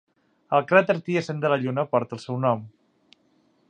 El cràter Thiessen de la Lluna porta el seu nom.